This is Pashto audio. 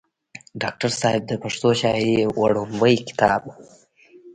ډاکټر صېب د پښتو شاعرۍ وړومبے کتاب